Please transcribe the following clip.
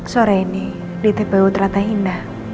sore ini di tpu tratahina